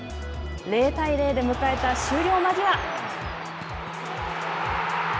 ０対０で迎えた終了間際。